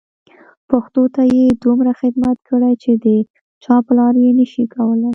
پښتو ته یې دومره خدمت کړی چې د چا پلار یې نه شي کولای.